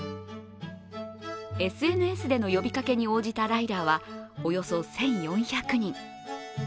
ＳＮＳでの呼びかけに応じたライダーはおよそ１４００人。